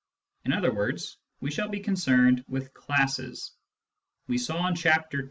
In other words, we shall be concerned with classes. We saw in Chapter II.